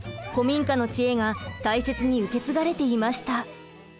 古民家の知恵が大切に受け継がれていました。